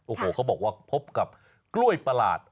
โอ้โหเขาบอกว่าพบกับกล้วยประหลาด